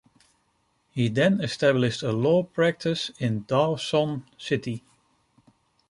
He then established a law practice in Dawson City.